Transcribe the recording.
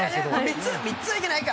３つ３つはいけないか。